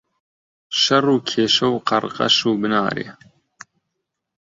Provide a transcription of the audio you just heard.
شەڕ و کێشە و قەڕقەش و بنارێ.